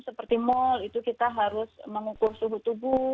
seperti mal itu kita harus mengukur suhu tubuh